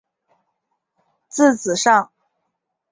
字子上。